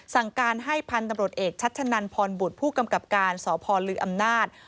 สั่งการให้พันธุ์ตำรวจเอกชัชนันพรบุตรผู้กำกับการสพลืออำนาจ